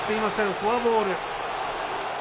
フォアボール。